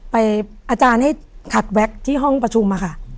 อาจารย์ให้ขัดแว็กที่ห้องประชุมค่ะ